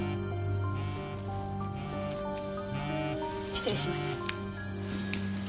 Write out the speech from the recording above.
失礼します。